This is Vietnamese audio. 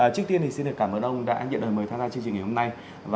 trước tiên xin cảm ơn ông đã nhận đời mời tham gia chương trình ngày hôm nay